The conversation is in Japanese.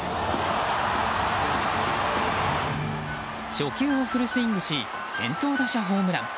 初球をフルスイングし先頭打者ホームラン。